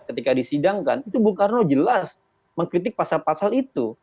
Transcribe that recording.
ketika disidangkan itu bung karno jelas mengkritik pasal pasal itu